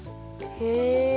へえ。